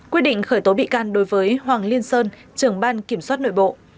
quyết định khởi tố bị can đối với hoàng liên sơn trưởng ban kiểm soát nội bộ